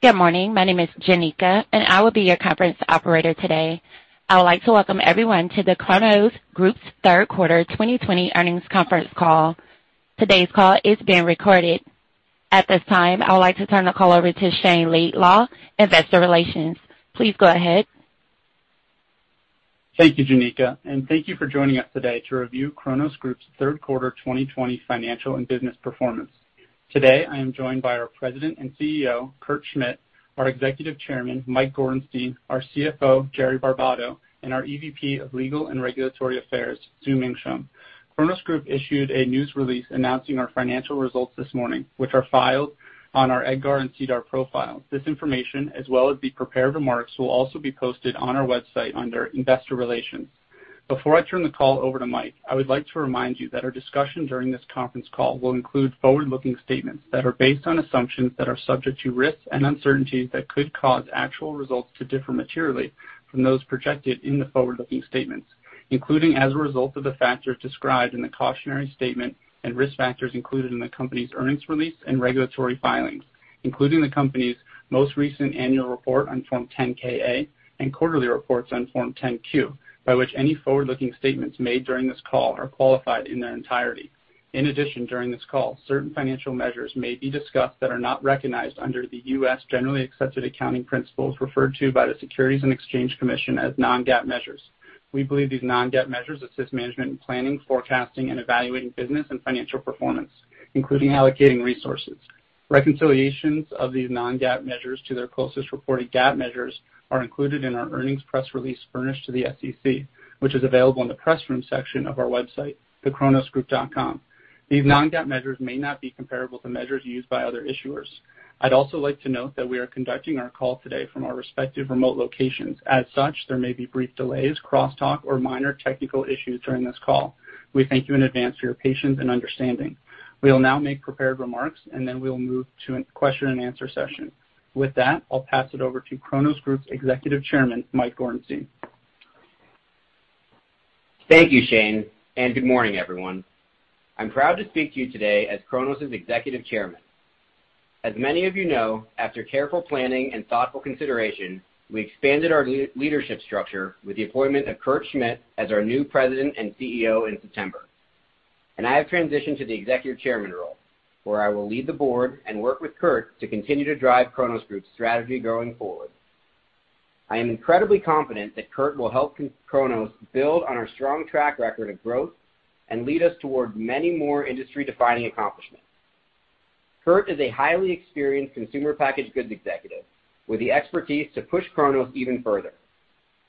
Good morning. My name is Jenica, and I will be your conference operator today. I would like to welcome everyone to the Cronos Group's third quarter 2020 earnings conference call. Today's call is being recorded. At this time, I would like to turn the call over to Shayne Laidlaw, investor relations. Please go ahead. Thank you, Jenica, and thank you for joining us today to review Cronos Group's third quarter 2020 financial and business performance. Today, I am joined by our President and CEO, Kurt Schmidt, our Executive Chairman, Mike Gorenstein, our CFO, Jerry Barbato, and our EVP of Legal and Regulatory Affairs, Xiuming Shum. Cronos Group issued a news release announcing our financial results this morning, which are filed on our EDGAR and SEDAR profiles. This information, as well as the prepared remarks, will also be posted on our website under investor relations. Before I turn the call over to Mike, I would like to remind you that our discussion during this conference call will include forward-looking statements that are based on assumptions that are subject to risks and uncertainties that could cause actual results to differ materially from those projected in the forward-looking statements, including as a result of the factors described in the cautionary statement and risk factors included in the company's earnings release and regulatory filings, including the company's most recent annual report on Form 10-K/A and quarterly reports on Form 10-Q, by which any forward-looking statements made during this call are qualified in their entirety. In addition, during this call, certain financial measures may be discussed that are not recognized under the U.S. Generally Accepted Accounting Principles referred to by the Securities and Exchange Commission as non-GAAP measures. We believe these non-GAAP measures assist management in planning, forecasting, and evaluating business and financial performance, including allocating resources. Reconciliations of these non-GAAP measures to their closest reported GAAP measures are included in our earnings press release furnished to the SEC, which is available in the press room section of our website, thecronosgroup.com. These non-GAAP measures may not be comparable to measures used by other issuers. I'd also like to note that we are conducting our call today from our respective remote locations. As such, there may be brief delays, crosstalk, or minor technical issues during this call. We thank you in advance for your patience and understanding. We will now make prepared remarks, and then we will move to a question and answer session. With that, I'll pass it over to Cronos Group's Executive Chairman, Mike Gorenstein. Thank you, Shayne, and good morning, everyone. I'm proud to speak to you today as Cronos' Executive Chairman. As many of you know, after careful planning and thoughtful consideration, we expanded our leadership structure with the appointment of Kurt Schmidt as our new President and CEO in September. I have transitioned to the executive chairman role, where I will lead the board and work with Kurt to continue to drive Cronos Group's strategy going forward. I am incredibly confident that Kurt will help Cronos build on our strong track record of growth and lead us toward many more industry-defining accomplishments. Kurt is a highly experienced consumer packaged goods executive with the expertise to push Cronos Group even further.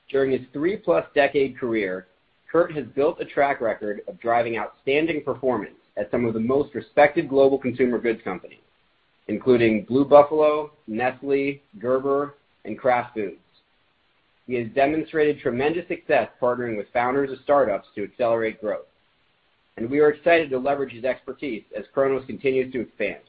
During his three-plus decade career, Kurt has built a track record of driving outstanding performance at some of the most respected global consumer goods companies, including Blue Buffalo, Nestlé, Gerber Products Company, and Kraft Foods. He has demonstrated tremendous success partnering with founders of startups to accelerate growth, and we are excited to leverage his expertise as Cronos continues to expand.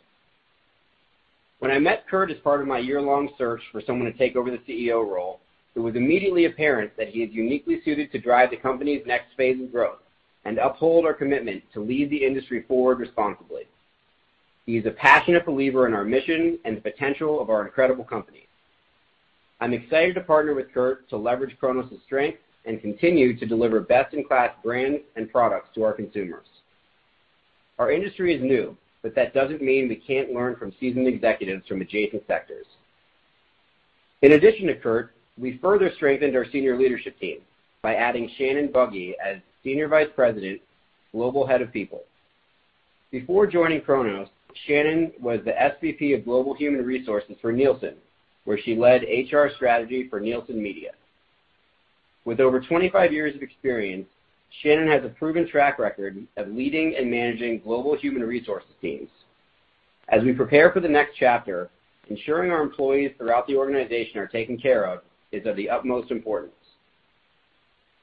When I met Kurt as part of my year-long search for someone to take over the CEO role, it was immediately apparent that he is uniquely suited to drive the company's next phase of growth and uphold our commitment to lead the industry forward responsibly. He is a passionate believer in our mission and the potential of our incredible company. I'm excited to partner with Kurt to leverage Cronos' strength and continue to deliver best-in-class brands and products to our consumers. Our industry is new. That doesn't mean we can't learn from seasoned executives from adjacent sectors. In addition to Kurt, we further strengthened our Senior Leadership Team by adding Shannon Buggy as Senior Vice President, Global Head of People. Before joining Cronos, Shannon was the SVP of global human resources for Nielsen, where she led HR strategy for Nielsen Media. With over 25 years of experience, Shannon has a proven track record of leading and managing global human resources teams. As we prepare for the next chapter, ensuring our employees throughout the organization are taken care of is of the utmost importance.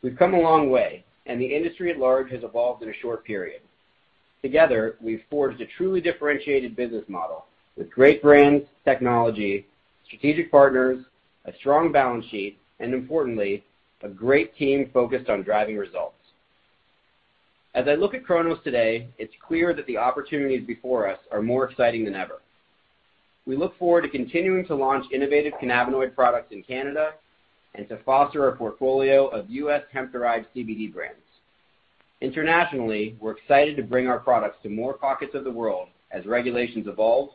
We've come a long way. The industry at large has evolved in a short period. Together, we've forged a truly differentiated business model with great brands, technology, strategic partners, a strong balance sheet, and importantly, a great team focused on driving results. As I look at Cronos today, it's clear that the opportunities before us are more exciting than ever. We look forward to continuing to launch innovative cannabinoid products in Canada and to foster a portfolio of U.S. hemp-derived CBD brands. Internationally, we're excited to bring our products to more pockets of the world as regulations evolve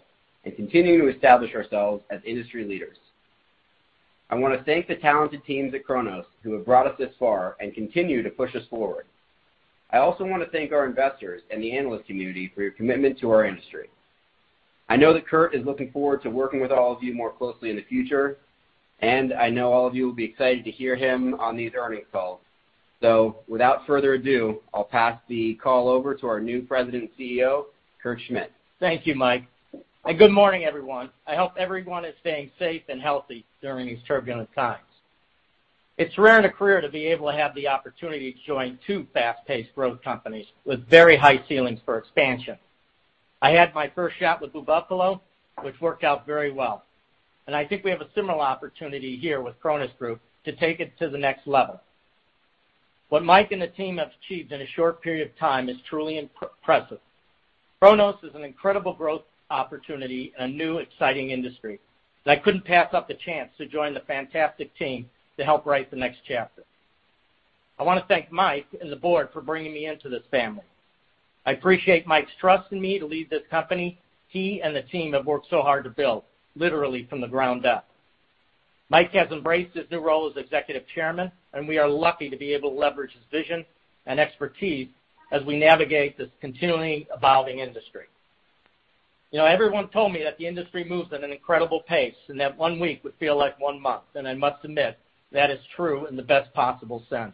and continue to establish ourselves as industry leaders. I want to thank the talented teams at Cronos who have brought us this far and continue to push us forward. I also want to thank our investors and the analyst community for your commitment to our industry. I know that Kurt is looking forward to working with all of you more closely in the future, and I know all of you will be excited to hear him on these earnings calls. Without further ado, I'll pass the call over to our new President and CEO, Kurt Schmidt. Thank you, Mike. Good morning, everyone. I hope everyone is staying safe and healthy during these turbulent times. It's rare in a career to be able to have the opportunity to join two fast-paced growth companies with very high ceilings for expansion. I had my first shot with Blue Buffalo, which worked out very well, and I think we have a similar opportunity here with Cronos Group to take it to the next level. What Mike and the team have achieved in a short period of time is truly impressive. Cronos Group is an incredible growth opportunity in a new, exciting industry, I couldn't pass up the chance to join the fantastic team to help write the next chapter. I want to thank Mike and the board for bringing me into this family. I appreciate Mike's trust in me to lead this company, he and the team have worked so hard to build, literally from the ground up. Mike has embraced his new role as Executive Chairman, We are lucky to be able to leverage his vision and expertise as we navigate this continually evolving industry. Everyone told me that the industry moves at an incredible pace and that one week would feel like one month, I must admit that is true in the best possible sense.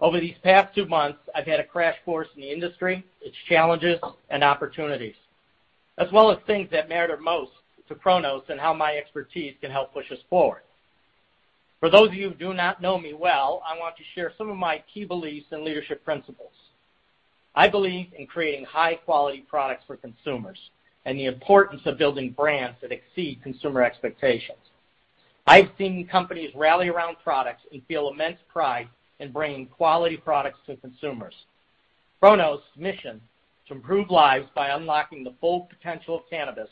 Over these past two months, I've had a crash course in the industry, its challenges and opportunities, as well as things that matter most to Cronos Group and how my expertise can help push us forward. For those of you who do not know me well, I want to share some of my key beliefs and leadership principles. I believe in creating high-quality products for consumers and the importance of building brands that exceed consumer expectations. I've seen companies rally around products and feel immense pride in bringing quality products to consumers. Cronos' mission to improve lives by unlocking the full potential of cannabis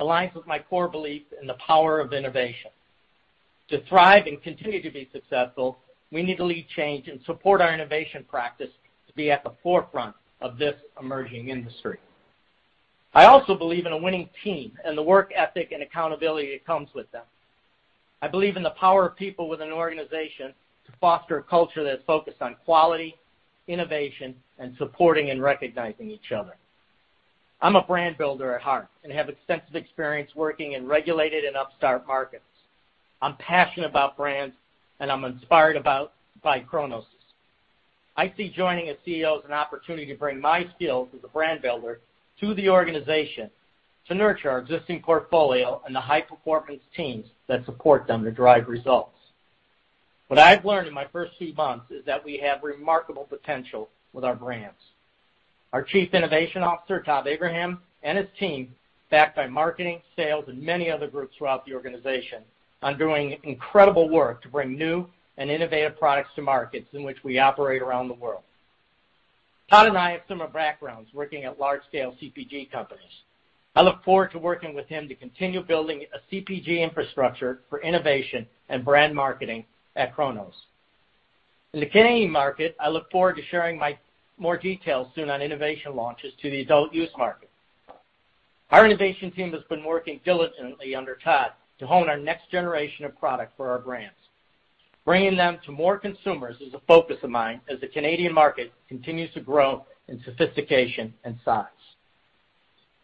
aligns with my core belief in the power of innovation. To thrive and continue to be successful, we need to lead change and support our innovation practice to be at the forefront of this emerging industry. I also believe in a winning team and the work ethic and accountability that comes with them. I believe in the power of people with an organization to foster a culture that is focused on quality, innovation, and supporting and recognizing each other. I'm a brand builder at heart and have extensive experience working in regulated and upstart markets. I'm passionate about brands, and I'm inspired by Cronos Group. I see joining as CEO as an opportunity to bring my skills as a brand builder to the organization to nurture our existing portfolio and the high-performance teams that support them to drive results. What I've learned in my first few months is that we have remarkable potential with our brands. Our Chief Innovation Officer, Todd Abraham, and his team, backed by marketing, sales, and many other groups throughout the organization, are doing incredible work to bring new and innovative products to markets in which we operate around the world. Todd and I have similar backgrounds working at large-scale CPG companies. I look forward to working with him to continue building a CPG infrastructure for innovation and brand marketing at Cronos Group. In the Canadian market, I look forward to sharing more details soon on innovation launches to the adult use market. Our innovation team has been working diligently under Todd to hone our next generation of product for our brands. Bringing them to more consumers is a focus of mine as the Canadian market continues to grow in sophistication and size.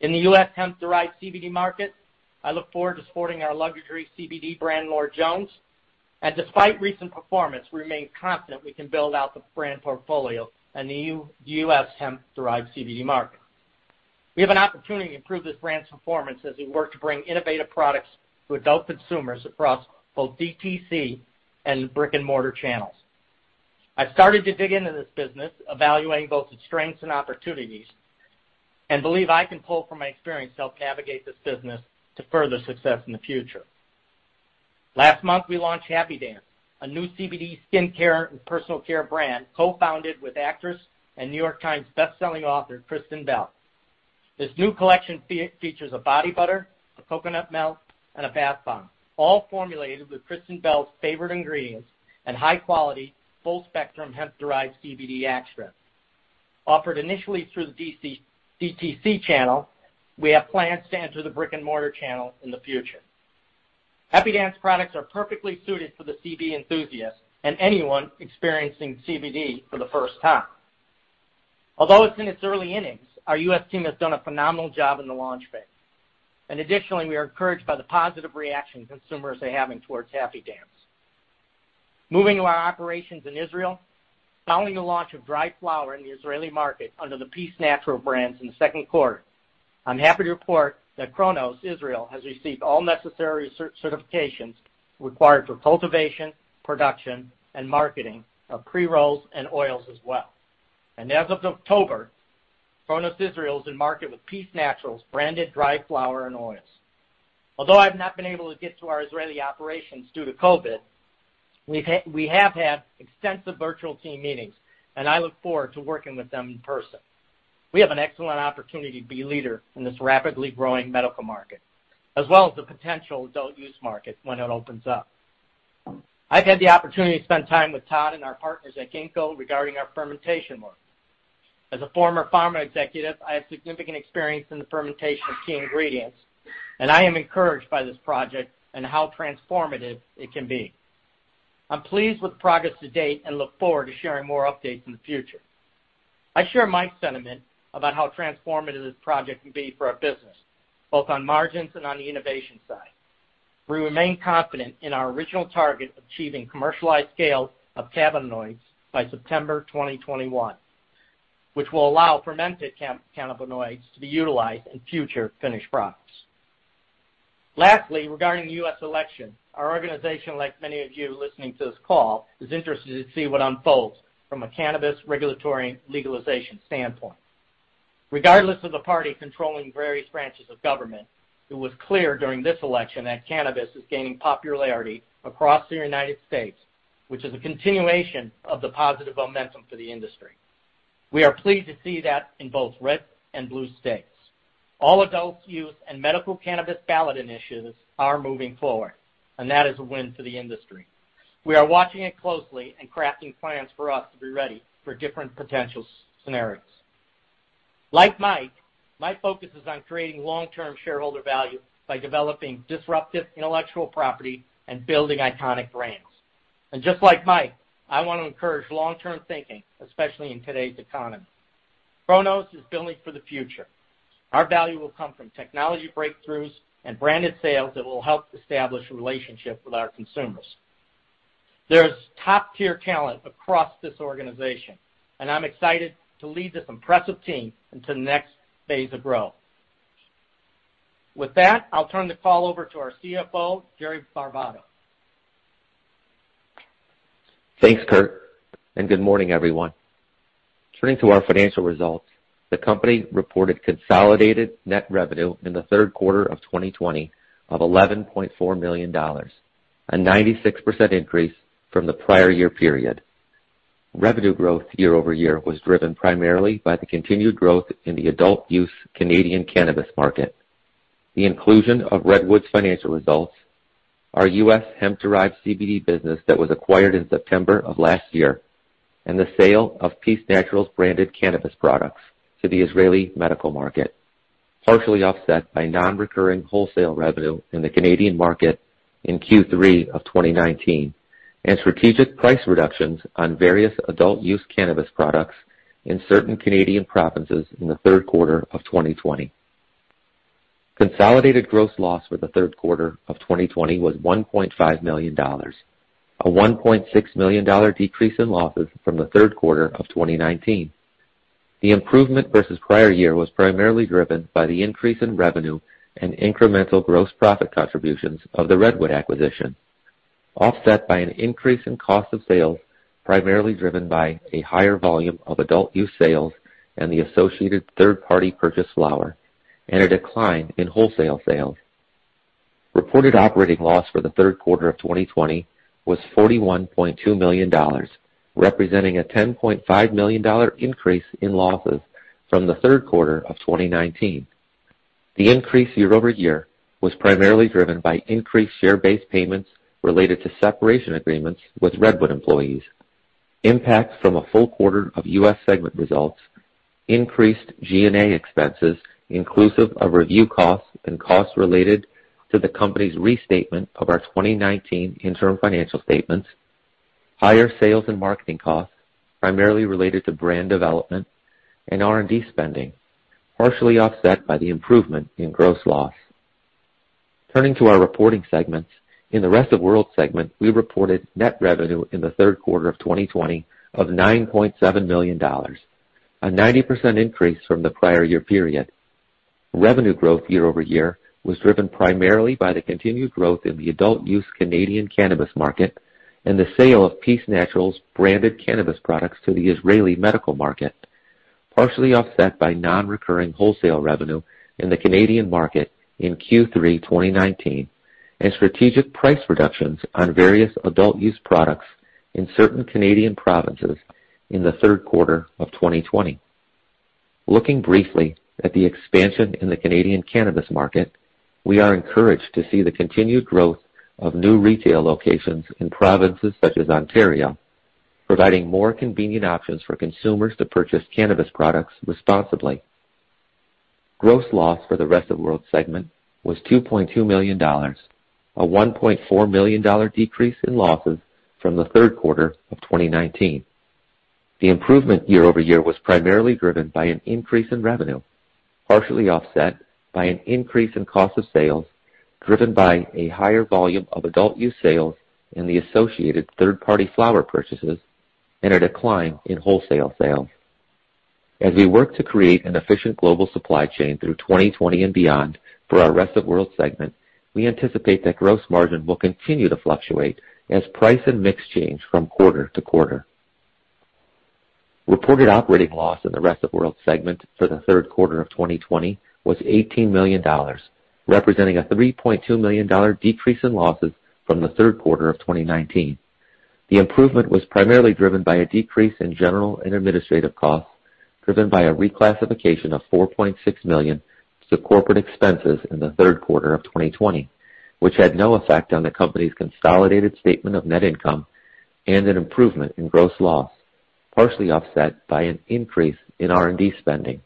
In the U.S. hemp-derived CBD market, I look forward to supporting our luxury CBD brand, Lord Jones. Despite recent performance, we remain confident we can build out the brand portfolio in the U.S. hemp-derived CBD market. We have an opportunity to improve this brand's performance as we work to bring innovative products to adult consumers across both DTC and brick-and-mortar channels. I started to dig into this business, evaluating both its strengths and opportunities, and believe I can pull from my experience to help navigate this business to further success in the future. Last month, we launched Happy Dance, a new CBD skincare and personal care brand co-founded with actress and New York Times best-selling author Kristen Bell. This new collection features a body butter, a coconut melt, and a bath bomb, all formulated with Kristen Bell's favorite ingredients and high-quality, full-spectrum, hemp-derived CBD extract. Offered initially through the DTC channel, we have plans to enter the brick-and-mortar channel in the future. Happy Dance products are perfectly suited for the CBD enthusiast and anyone experiencing CBD for the first time. Although it's in its early innings, our U.S. team has done a phenomenal job in the launch phase. Additionally, we are encouraged by the positive reaction consumers are having towards Happy Dance. Moving to our operations in Israel, following the launch of dry flower in the Israeli market under the Peace Naturals brands in the second quarter, I'm happy to report that Cronos Israel has received all necessary certifications required for cultivation, production, and marketing of pre-rolls and oils as well. As of October, Cronos Israel is in market with Peace Naturals branded dry flower and oils. Although I've not been able to get to our Israeli operations due to COVID, we have had extensive virtual team meetings, and I look forward to working with them in person. We have an excellent opportunity to be a leader in this rapidly growing medical market, as well as the potential adult use market when it opens up. I've had the opportunity to spend time with Todd and our partners at Ginkgo regarding our fermentation work. As a former pharma executive, I have significant experience in the fermentation of key ingredients, and I am encouraged by this project and how transformative it can be. I'm pleased with the progress to date and look forward to sharing more updates in the future. I share Mike's sentiment about how transformative this project can be for our business, both on margins and on the innovation side. We remain confident in our original target of achieving commercialized scale of cannabinoids by September 2021, which will allow fermented cannabinoids to be utilized in future finished products. Lastly, regarding the U.S. election, our organization, like many of you listening to this call, is interested to see what unfolds from a cannabis regulatory legalization standpoint. Regardless of the party controlling various branches of government, it was clear during this election that cannabis is gaining popularity across the United States, which is a continuation of the positive momentum for the industry. We are pleased to see that in both red and blue states. All adult use and medical cannabis ballot initiatives are moving forward, that is a win for the industry. We are watching it closely and crafting plans for us to be ready for different potential scenarios. Like Mike, my focus is on creating long-term shareholder value by developing disruptive intellectual property and building iconic brands. Just like Mike, I want to encourage long-term thinking, especially in today's economy. Cronos Group is building for the future. Our value will come from technology breakthroughs and branded sales that will help establish relationships with our consumers. There is top-tier talent across this organization, and I'm excited to lead this impressive team into the next phase of growth. With that, I'll turn the call over to our CFO, Jerry Barbato. Thanks, Kurt, and good morning, everyone. Turning to our financial results, the company reported consolidated net revenue in the third quarter of 2020 of 11.4 million dollars, a 96% increase from the prior year period. Revenue growth year-over-year was driven primarily by the continued growth in the adult use Canadian cannabis market, the inclusion of Redwood's financial results, our U.S. hemp-derived CBD business that was acquired in September of last year, and the sale of Peace Naturals branded cannabis products to the Israeli medical market, partially offset by non-recurring wholesale revenue in the Canadian market in Q3 of 2019 and strategic price reductions on various adult-use cannabis products in certain Canadian provinces in the third quarter of 2020. Consolidated gross loss for the third quarter of 2020 was 1.5 million dollars, a 1.6 million dollar decrease in losses from the third quarter of 2019. The improvement versus the prior year was primarily driven by the increase in revenue and incremental gross profit contributions of the Redwood Holding Group acquisition, offset by an increase in cost of sales, primarily driven by a higher volume of adult use sales and the associated third-party purchase flower, and a decline in wholesale sales. Reported operating loss for the third quarter of 2020 was 41.2 million dollars, representing a 10.5 million dollar increase in losses from the third quarter of 2019. The increase year-over-year was primarily driven by increased share-based payments related to separation agreements with Redwood employees, impacts from a full quarter of U.S. segment results, increased G&A expenses inclusive of review costs and costs related to the company's restatement of our 2019 interim financial statements, higher sales and marketing costs primarily related to brand development, and R&D spending, partially offset by the improvement in gross loss. Turning to our reporting segments, in the Rest of World segment, we reported net revenue in the third quarter of 2020 of 9.7 million dollars, a 90% increase from the prior year period. Revenue growth year-over-year was driven primarily by the continued growth in the adult-use Canadian cannabis market and the sale of Peace Naturals branded cannabis products to the Israeli medical market, partially offset by non-recurring wholesale revenue in the Canadian market in Q3 2019 and strategic price reductions on various adult-use products in certain Canadian provinces in the third quarter of 2020. Looking briefly at the expansion in the Canadian cannabis market, we are encouraged to see the continued growth of new retail locations in provinces such as Ontario, providing more convenient options for consumers to purchase cannabis products responsibly. Gross loss for the Rest of World segment was CAD 2.2 million, a CAD 1.4 million decrease in losses from the third quarter of 2019. The improvement year-over-year was primarily driven by an increase in revenue, partially offset by an increase in cost of sales driven by a higher volume of adult use sales and the associated third-party flower purchases, and a decline in wholesale sales. As we work to create an efficient global supply chain through 2020 and beyond for our Rest of World segment, we anticipate that gross margin will continue to fluctuate as price and mix change from quarter-to-quarter. Reported operating loss in the Rest of World segment for the third quarter of 2020 was 18 million dollars, representing a 3.2 million dollar decrease in losses from the third quarter of 2019. The improvement was primarily driven by a decrease in general and administrative costs driven by a reclassification of 4.6 million to corporate expenses in the third quarter of 2020, which had no effect on the company's consolidated statement of net income, and an improvement in gross loss, partially offset by an increase in R&D spending.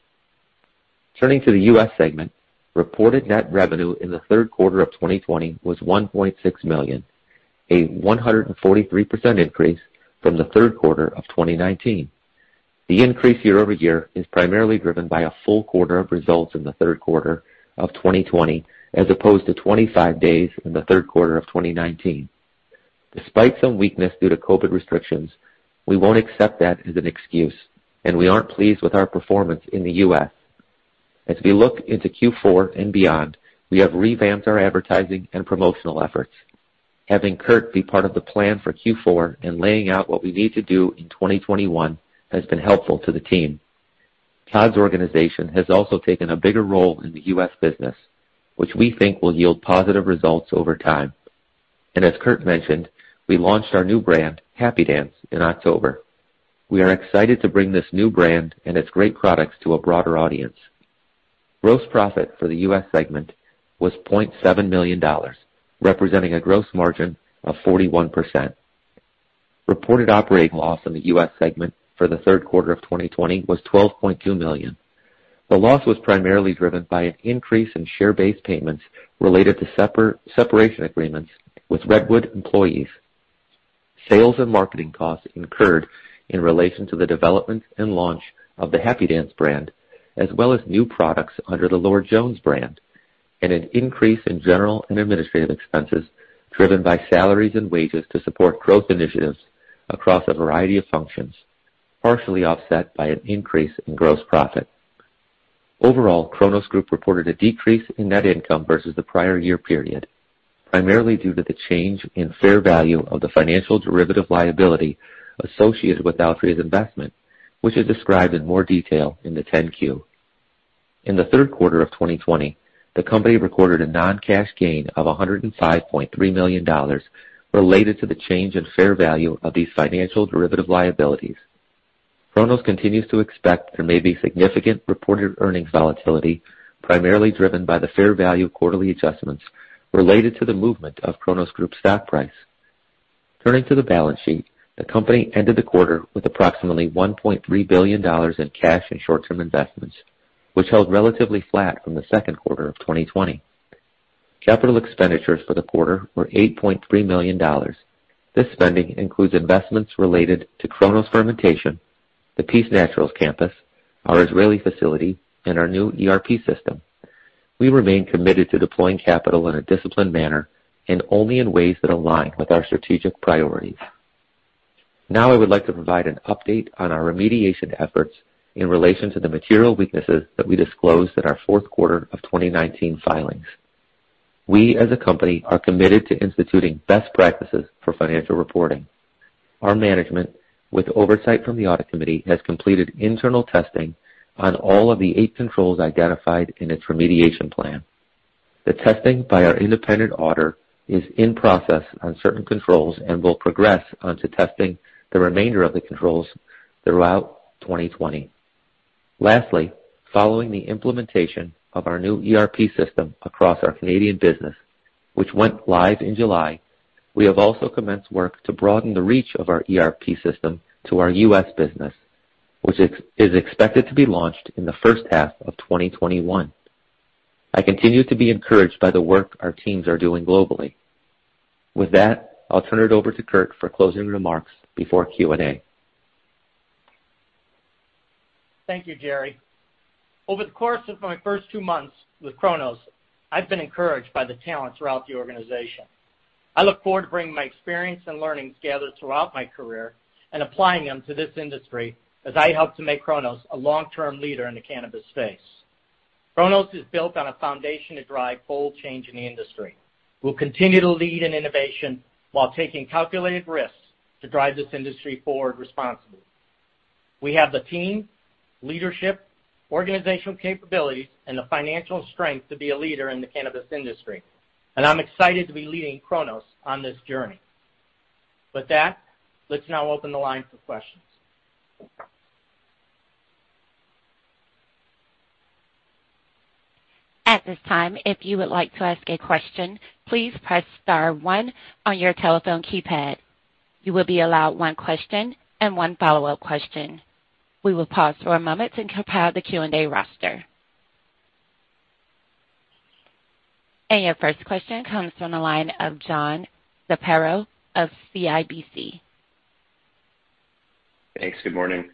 Turning to the U.S. segment, reported net revenue in the third quarter of 2020 was $1.6 million, a 143% increase from the third quarter of 2019. The increase year-over-year is primarily driven by a full quarter of results in the third quarter of 2020, as opposed to 25 days in the third quarter of 2019. Despite some weakness due to COVID restrictions, we won't accept that as an excuse, and we aren't pleased with our performance in the U.S. As we look into Q4 and beyond, we have revamped our advertising and promotional efforts. Having Kurt be part of the plan for Q4 and laying out what we need to do in 2021 has been helpful to the team. Todd's organization has also taken a bigger role in the U.S. business, which we think will yield positive results over time. As Kurt mentioned, we launched our new brand, Happy Dance, in October. We are excited to bring this new brand and its great products to a broader audience. Gross profit for the U.S. segment was $0.7 million, representing a gross margin of 41%. Reported operating loss in the U.S. segment for the third quarter of 2020 was $12.2 million. The loss was primarily driven by an increase in share-based payments related to separation agreements with Redwood employees. Sales and marketing costs incurred in relation to the development and launch of the Happy Dance brand, as well as new products under the Lord Jones brand, and an increase in general and administrative expenses driven by salaries and wages to support growth initiatives across a variety of functions, partially offset by an increase in gross profit. Overall, Cronos Group reported a decrease in net income versus the prior year period, primarily due to the change in fair value of the financial derivative liability associated with Altria's investment, which is described in more detail in the 10-Q. In the third quarter of 2020, the company recorded a non-cash gain of CAD 105.3 million related to the change in fair value of these financial derivative liabilities. Cronos continues to expect there may be significant reported earnings volatility, primarily driven by the fair value quarterly adjustments related to the movement of Cronos Group's stock price. Turning to the balance sheet, the company ended the quarter with approximately 1.3 billion dollars in cash and short-term investments, which held relatively flat from the second quarter of 2020. Capital expenditures for the quarter were 8.3 million dollars. This spending includes investments related to Cronos Fermentation, the Peace Naturals campus, Cronos Israel, and our new ERP system. We remain committed to deploying capital in a disciplined manner and only in ways that align with our strategic priorities. Now, I would like to provide an update on our remediation efforts in relation to the material weaknesses that we disclosed in our fourth quarter of 2019 filings. We, as a company, are committed to instituting best practices for financial reporting. Our management, with oversight from the audit committee, has completed internal testing on all of the eight controls identified in its remediation plan. The testing by our independent auditor is in process on certain controls and will progress onto testing the remainder of the controls throughout 2020. Lastly, following the implementation of our new ERP system across our Canadian business, which went live in July, we have also commenced work to broaden the reach of our ERP system to our U.S. business, which is expected to be launched in the first half of 2021. I continue to be encouraged by the work our teams are doing globally. With that, I'll turn it over to Kurt for closing remarks before Q&A. Thank you, Jerry. Over the course of my first two months with Cronos Group, I've been encouraged by the talent throughout the organization. I look forward to bringing my experience and learnings gathered throughout my career and applying them to this industry as I help to make Cronos Group a long-term leader in the cannabis space. Cronos Group is built on a foundation to drive bold change in the industry. We'll continue to lead in innovation while taking calculated risks to drive this industry forward responsibly. We have the team, leadership, organizational capabilities, and the financial strength to be a leader in the cannabis industry, and I'm excited to be leading Cronos on this journey. With that, let's now open the line for questions. At this time, if you would like to ask a question, please press star one on your telephone keypad. You will be allowed one question and one follow-up question. We will pause for a moment and compile the Q&A roster. Your first question comes from the line of John Zamparo of CIBC Capital Markets. Thanks. Good morning.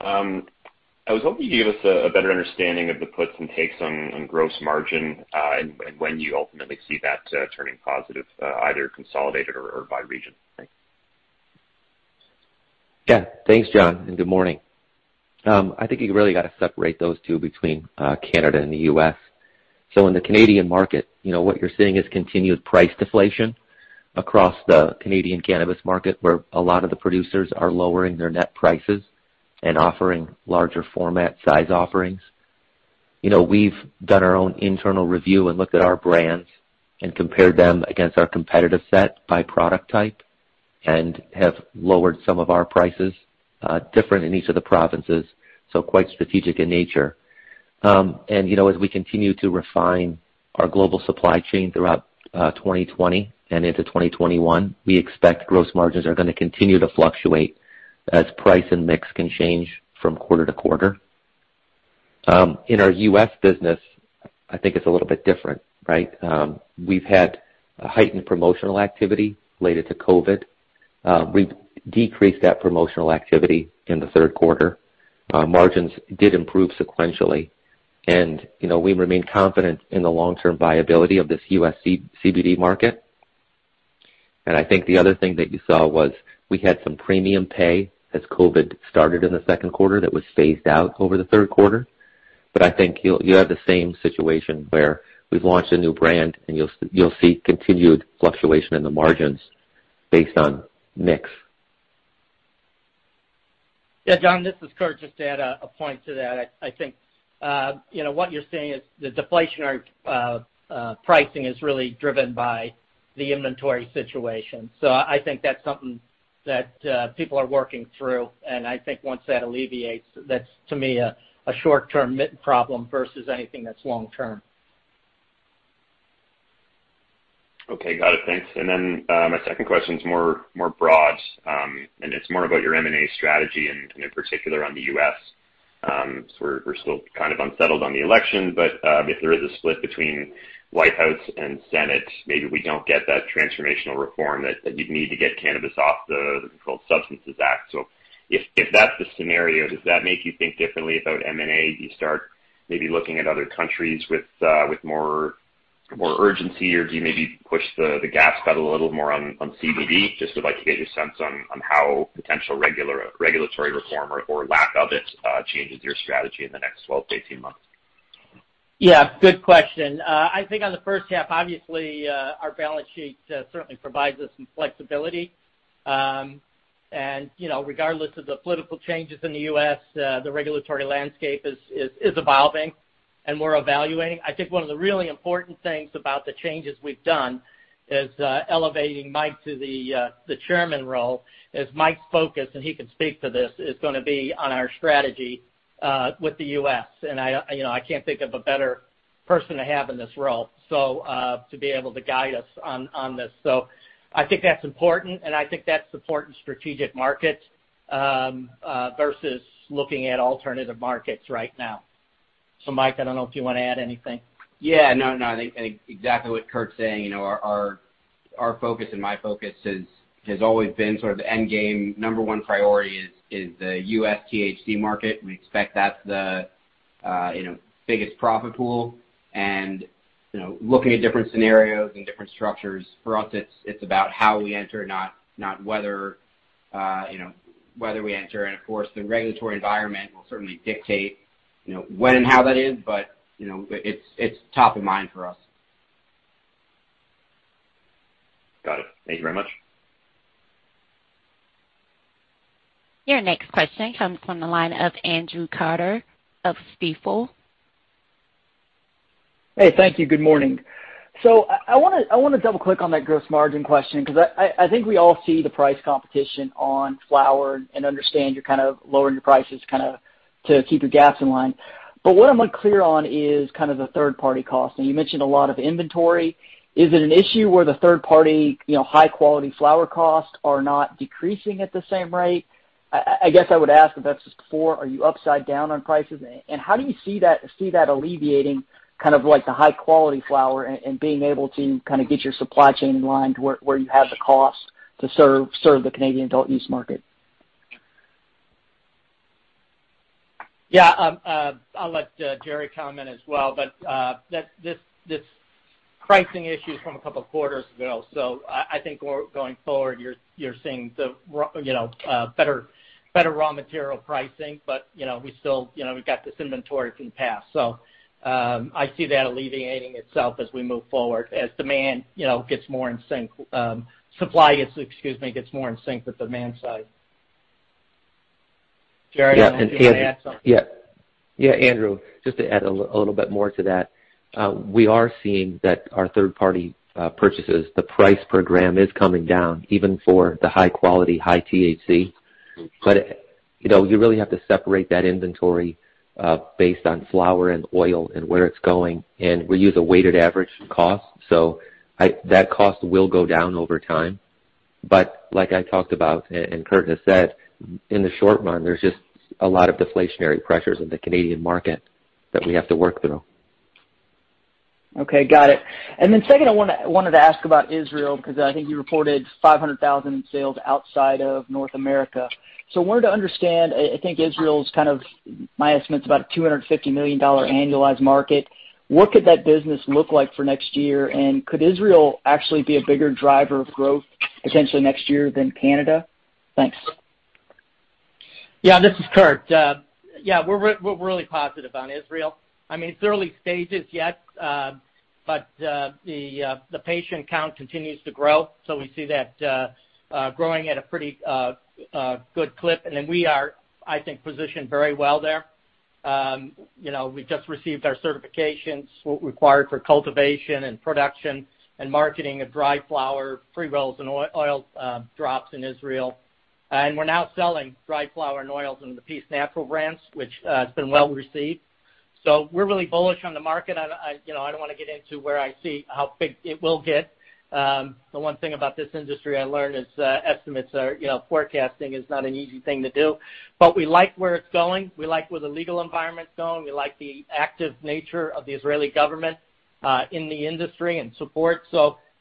I was hoping you could give us a better understanding of the puts and takes on gross margin and when you ultimately see that turning positive, either consolidated or by region. Yeah. Thanks, John, and good morning. I think you really got to separate those two between Canada and the U.S. In the Canadian market, what you're seeing is continued price deflation across the Canadian cannabis market, where a lot of the producers are lowering their net prices and offering larger format size offerings. We've done our own internal review and looked at our brands and compared them against our competitive set by product type and have lowered some of our prices, different in each of the provinces, so quite strategic in nature. As we continue to refine our global supply chain throughout 2020 and into 2021, we expect gross margins are going to continue to fluctuate as price and mix can change from quarter to quarter. In our U.S. business, I think it's a little bit different, right? We've had a heightened promotional activity related to COVID. We've decreased that promotional activity in the third quarter. Margins did improve sequentially. We remain confident in the long-term viability of this U.S. CBD market. I think the other thing that you saw was we had some premium pay as COVID started in the second quarter that was phased out over the third quarter. I think you have the same situation where we've launched a new brand, and you'll see continued fluctuation in the margins based on mix. John, this is Kurt. Just to add a point to that, I think what you're seeing is the deflationary pricing is really driven by the inventory situation. I think that's something that people are working through, and I think once that alleviates, that's, to me, a short-term problem versus anything that's long-term. Okay. Got it. Thanks. My second question is more broad, and it's more about your M&A strategy and in particular on the U.S. We're still kind of unsettled on the election, but if there is a split between White House and Senate, maybe we don't get that transformational reform that you'd need to get cannabis off the Controlled Substances Act. If that's the scenario, does that make you think differently about M&A? Do you start maybe looking at other countries with more urgency, or do you maybe push the gas pedal a little more on CBD? I'd like to get your sense on how potential regulatory reform or lack of it changes your strategy in the next 12-18 months. Yeah. Good question. I think on the first half, obviously, our balance sheet certainly provides us some flexibility. Regardless of the political changes in the U.S., the regulatory landscape is evolving, and we're evaluating. I think one of the really important things about the changes we've done is elevating Mike to the Chairman role, as Mike's focus, and he can speak to this, is going to be on our strategy with the U.S. I can't think of a better person to have in this role to be able to guide us on this. I think that's important, and I think that's supporting strategic markets versus looking at alternative markets right now. Mike, I don't know if you want to add anything. Yeah. No, I think exactly what Kurt's saying. Our focus and my focus has always been the end game. Number one priority is the U.S. THC market. We expect that's the biggest profit pool. Looking at different scenarios and different structures, for us, it's about how we enter, not whether we enter. Of course, the regulatory environment will certainly dictate when and how that is. It's top of mind for us. Got it. Thank you very much. Your next question comes from the line of Andrew Carter of Stifel. Hey, thank you. Good morning. I want to double-click on that gross margin question because I think we all see the price competition on flower and understand you're lowering your prices to keep your gaps in line. What I'm unclear on is the third-party cost. Now, you mentioned a lot of inventory. Is it an issue where the third-party high-quality flower costs are not decreasing at the same rate? I guess I would ask if that's just before, are you upside down on prices? How do you see that alleviating the high-quality flower and being able to get your supply chain in line to where you have the cost to serve the Canadian adult-use market? Yeah. I'll let Jerry comment as well. This pricing issue is from a couple of quarters ago. I think going forward, you're seeing the better raw material pricing. We've got this inventory from the past. I see that alleviating itself as we move forward, as supply gets more in sync with demand side. Jerry, I don't know if you want to add something. Yeah. Andrew, just to add a little bit more to that. We are seeing that our third-party purchases, the price per gram is coming down even for the high quality, high THC. You really have to separate that inventory based on flower and oil and where it's going, and we use a weighted average cost. That cost will go down over time. Like I talked about, and Kurt has said, in the short run, there's just a lot of deflationary pressures in the Canadian market that we have to work through. Okay. Got it. Then second, I wanted to ask about Israel because I think you reported 500,000 in sales outside of North America. I wanted to understand, I think Israel's, my estimate's about a 250 million dollar annualized market. What could that business look like for next year? Could Israel actually be a bigger driver of growth potentially next year than Canada? Thanks. This is Kurt. We're really positive on Israel. It's early stages yet, the patient count continues to grow. We see that growing at a pretty good clip. We are, I think, positioned very well there. We just received our certifications required for cultivation and production and marketing of dry flower, pre-rolls, and oil drops in Israel. We're now selling dry flower and oils in the Peace Naturals brands, which has been well-received. We're really bullish on the market. I don't want to get into where I see how big it will get. The one thing about this industry I learned is estimates are forecasting is not an easy thing to do. We like where it's going. We like where the legal environment's going. We like the active nature of the Israeli government in the industry and support.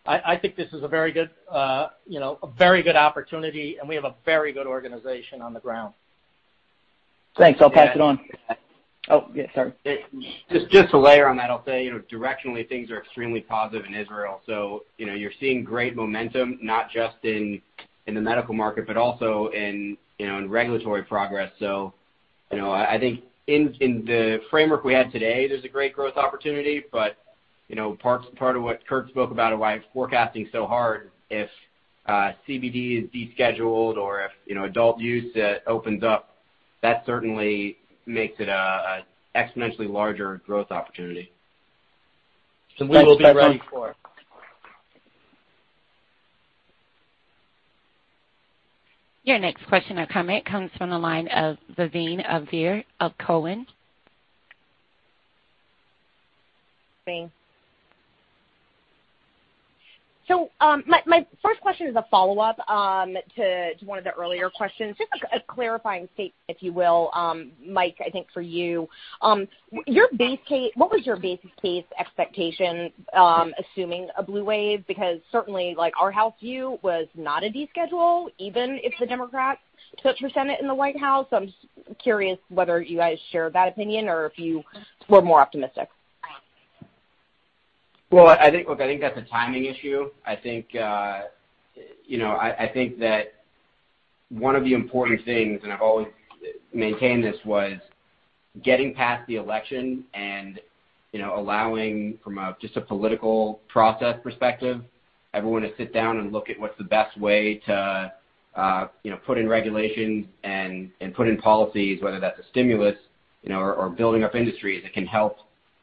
I think this is a very good opportunity, and we have a very good organization on the ground. Thanks. I'll pass it on. Oh, yeah, sorry. To layer on that, I'll say, directionally, things are extremely positive in Israel. You're seeing great momentum not just in the medical market, but also in regulatory progress. I think in the framework we had today, there's a great growth opportunity. Part of what Kurt spoke about and why it's forecasting so hard, if CBD is descheduled or if adult use opens up, that certainly makes it an exponentially larger growth opportunity. We will be ready for it. Your next question or comment comes from the line of Vivien Azer of Cowen. Vivien. My first question is a follow-up to one of the earlier questions. Just a clarifying statement, if you will, Mike, I think for you. What was your base case expectation, assuming a blue wave? Certainly our house view was not a deschedule, even if the Democrats took the Senate and the White House. I'm just curious whether you guys share that opinion or if you were more optimistic. Well, I think that's a timing issue. I think that one of the important things, and I've always maintained this, was getting past the election and allowing from just a political process perspective, everyone to sit down and look at what's the best way to put in regulations and put in policies, whether that's a stimulus or building up industries that can help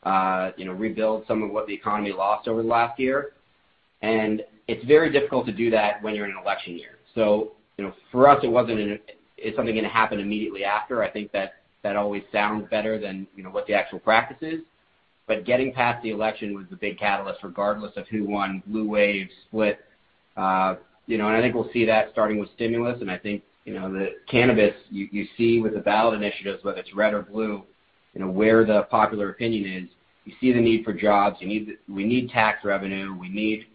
rebuild some of what the economy lost over the last year. It's very difficult to do that when you're in an election year. For us, it wasn't is something going to happen immediately after. I think that always sounds better than what the actual practice is. Getting past the election was the big catalyst, regardless of who won, blue wave, split. I think we'll see that starting with stimulus, and I think the cannabis you see with the ballot initiatives, whether it's red or blue, where the popular opinion is. You see the need for jobs. We need tax revenue. We need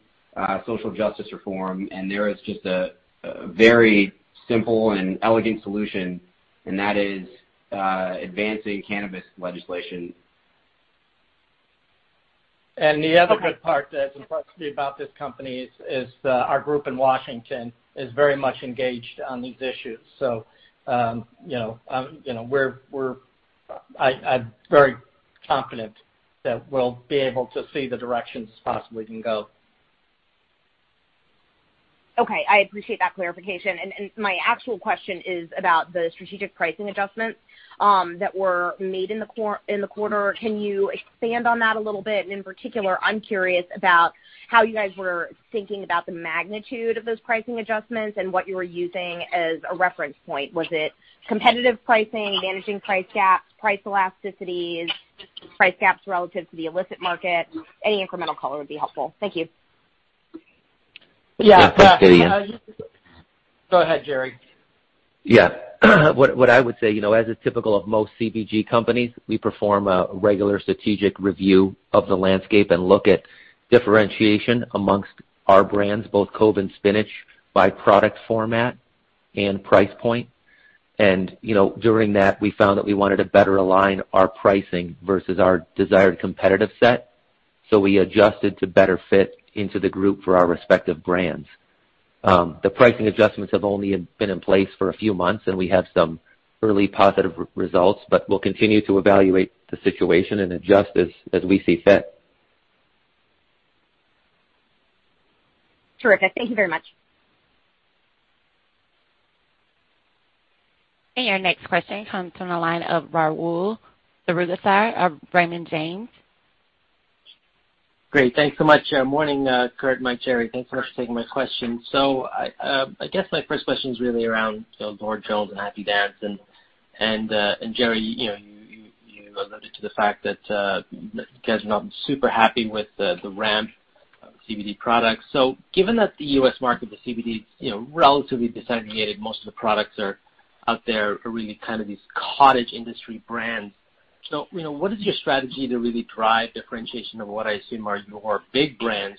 social justice reform. There is just a very simple and elegant solution, and that is advancing cannabis legislation. The other good part that's a plus about this company is our group in Washington is very much engaged on these issues. I'm very confident that we'll be able to see the directions this possibly can go. Okay. I appreciate that clarification. My actual question is about the strategic pricing adjustments that were made in the quarter. Can you expand on that a little bit? In particular, I'm curious about how you guys were thinking about the magnitude of those pricing adjustments and what you were using as a reference point. Was it competitive pricing, managing price gaps, price elasticities, price gaps relative to the illicit market? Any incremental color would be helpful. Thank you. Yeah. Go ahead, Jerry. What I would say, as is typical of most CPG companies, we perform a regular strategic review of the landscape and look at differentiation amongst our brands, both Cove and Spinach, by product format and price point. During that, we found that we wanted to better align our pricing versus our desired competitive set, so we adjusted to better fit into the group for our respective brands. The pricing adjustments have only been in place for a few months, and we have some early positive results, but we will continue to evaluate the situation and adjust as we see fit. Terrific. Thank you very much. Your next question comes from the line of Rahul Sarugaser of Raymond James. Great. Thanks so much. Morning, Kurt, Mike, Jerry. Thanks for taking my question. I guess my first question is really around Lord Jones and Happy Dance. Jerry, you alluded to the fact that you guys are not super happy with the ramp of CBD products. Given that the U.S. market for CBD is relatively (disaggregated), most of the products that are out there are really kind of these cottage industry brands. What is your strategy to really drive differentiation of what I assume are your big brands,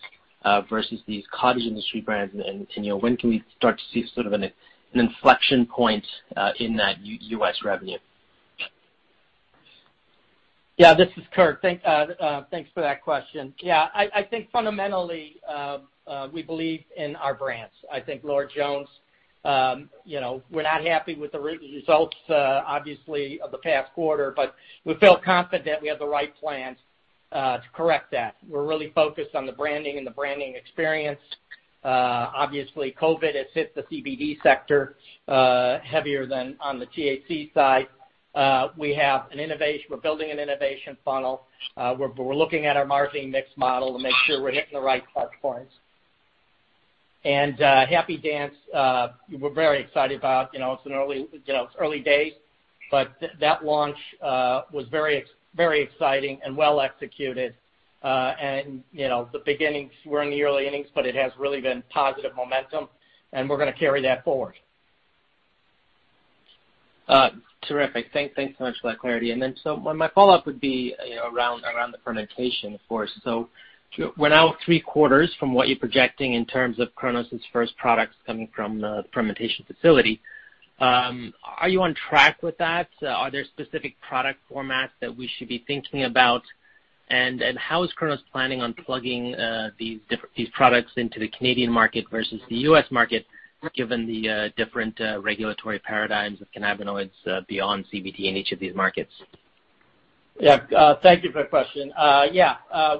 versus these cottage industry brands, and when can we start to see sort of an inflection point in that U.S. revenue? Yeah, this is Kurt. Thanks for that question. Yeah, I think fundamentally, we believe in our brands. I think Lord Jones, we're not happy with the results, obviously, of the past quarter, but we feel confident we have the right plans to correct that. We're really focused on the branding and the branding experience. Obviously, COVID has hit the CBD sector heavier than on the THC side. We're building an innovation funnel. We're looking at our margin mix model to make sure we're hitting the right price points. Happy Dance, we're very excited about. It's early days, but that launch was very exciting and well executed. We're in the early innings, but it has really been positive momentum, and we're going to carry that forward. Terrific. Thanks so much for that clarity. My follow-up would be around the fermentation, of course. So we're now three quarters from what you're projecting in terms of Cronos' first products coming from the fermentation facility. Are you on track with that? Are there specific product formats that we should be thinking about? How is Cronos planning on plugging these products into the Canadian market versus the U.S. market, given the different regulatory paradigms of cannabinoids beyond CBD in each of these markets? Thank you for the question.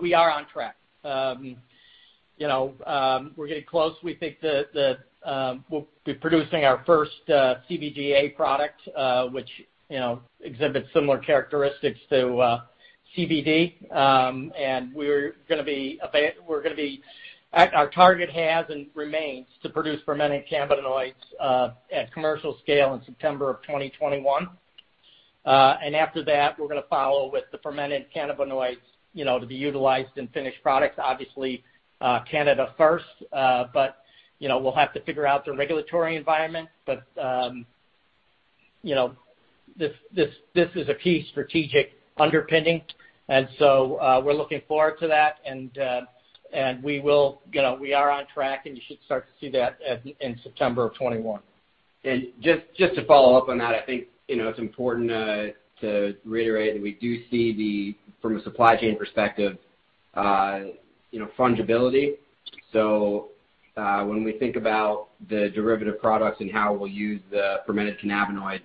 We are on track. We're getting close. We think that we'll be producing our first CBGA product, which exhibits similar characteristics to CBD. Our target has, and remains, to produce fermented cannabinoids at commercial scale in September of 2021. After that, we're going to follow with the fermented cannabinoids to be utilized in finished products. Obviously, Canada first. We'll have to figure out the regulatory environment. This is a key strategic underpinning, we're looking forward to that. We are on track, and you should start to see that in September of 2021. Just to follow up on that, I think it's important to reiterate that we do see the, from a supply chain perspective, fungibility. When we think about the derivative products and how we'll use the fermented cannabinoids,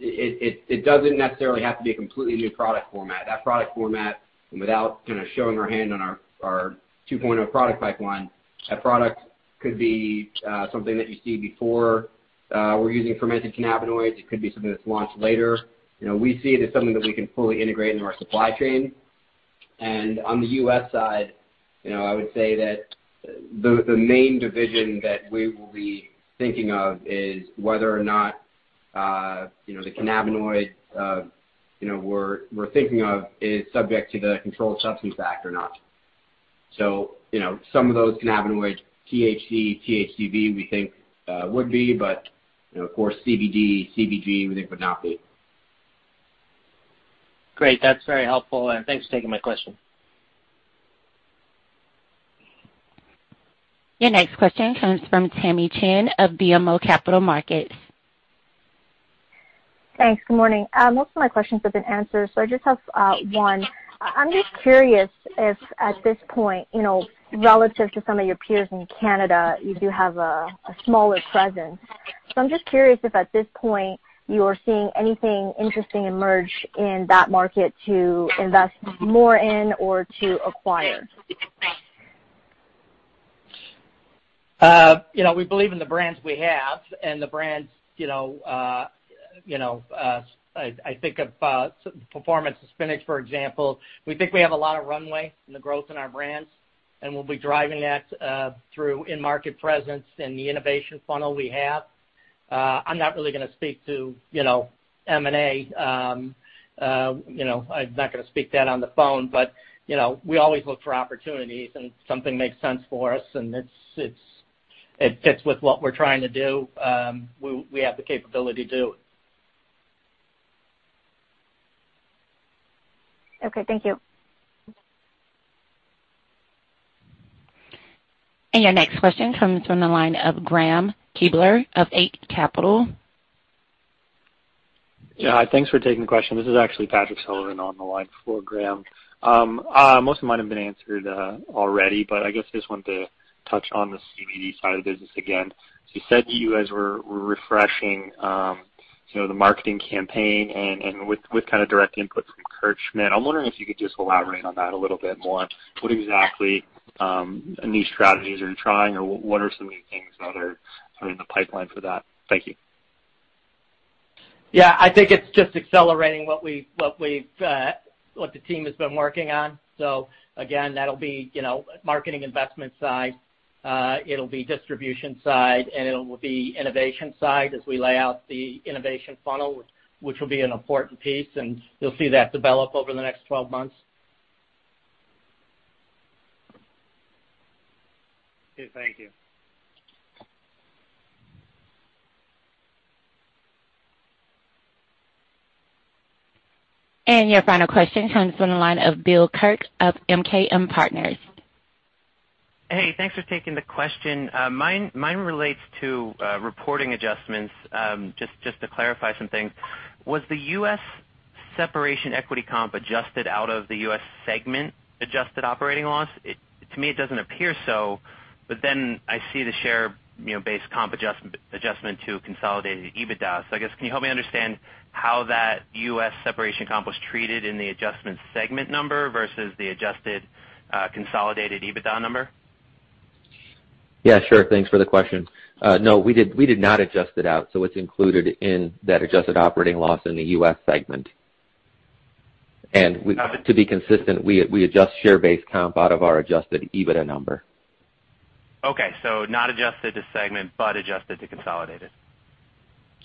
it doesn't necessarily have to be a completely new product format. That product format, and without kind of showing our hand on our 2.0 product pipeline, that product could be something that you see before. We're using fermented cannabinoids. It could be something that's launched later. We see it as something that we can fully integrate into our supply chain. On the U.S. side, I would say that the main division that we will be thinking of is whether or not the cannabinoid we're thinking of is subject to the Controlled Substances Act or not. Some of those cannabinoids, THC, THCV, we think would be, but of course CBD, CBGA, we think would not be. Great. That's very helpful, and thanks for taking my question. Your next question comes from Tamy Chen of BMO Capital Markets. Thanks. Good morning. Most of my questions have been answered, so I just have one. I'm just curious if, at this point, relative to some of your peers in Canada, you do have a smaller presence. I'm just curious if at this point, you are seeing anything interesting emerge in that market to invest more in or to acquire. We believe in the brands we have and the brands, I think of Spinach, for example. We think we have a lot of runway in the growth in our brands, and we'll be driving that through in-market presence and the innovation funnel we have. I'm not really going to speak to M&A. I'm not going to speak that on the phone. We always look for opportunities, and if something makes sense for us, and it fits with what we're trying to do, we have the capability to do it. Okay, thank you. Your next question comes from the line of Graeme Kreindler of Eight Capital. Thanks for taking the question. This is actually Patrick Sullivan on the line for Graeme. I guess I just wanted to touch on the CBD side of the business again. You said you guys were refreshing the marketing campaign and with kind of direct input from Kurt Schmidt. I'm wondering if you could just elaborate on that a little bit more. What exactly niche strategies are you trying, or what are some of the things that are in the pipeline for that? Thank you. I think it's just accelerating what the team has been working on. Again, that'll be marketing investment side, it'll be distribution side, and it'll be innovation side as we lay out the innovation funnel, which will be an important piece, and you'll see that develop over the next 12 months. Okay, thank you. Your final question comes from the line of Bill Kirk of MKM Partners. Hey, thanks for taking the question. Mine relates to reporting adjustments. Just to clarify some things, was the U.S. separation equity comp adjusted out of the U.S. segment adjusted operating loss? To me, it doesn't appear so. I see the share-based comp adjustment to consolidated EBITDA. I guess, can you help me understand how that U.S. separation comp was treated in the adjustment segment number versus the adjusted consolidated EBITDA number? Yeah, sure. Thanks for the question. No, we did not adjust it out, so it's included in that adjusted operating loss in the U.S. segment. To be consistent, we adjust share-based comp out of our adjusted EBITDA number. Okay, not adjusted to segment but adjusted to consolidated.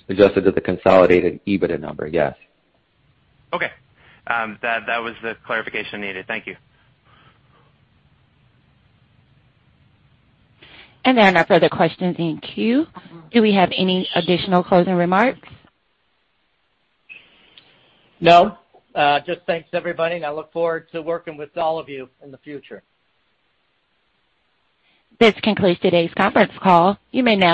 Adjusted to the consolidated EBITDA number, yes. Okay. That was the clarification needed. Thank you. There are no further questions in queue. Do we have any additional closing remarks? No, just thanks everybody. I look forward to working with all of you in the future. This concludes today's conference call. You may now disconnect.